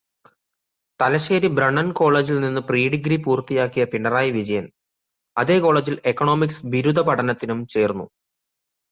Thalassery Brennen കോളേജിൽ നിന്ന് pre degree പൂർത്തിയാക്കിയ പിണറായി വിജയൻ, അതേ കോളേജിൽ എക്കണോമിക്സ് ബിരുദപഠനത്തിനും ചേര്ന്നു